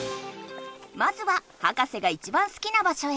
まずはハカセがいちばん好きな場所へ。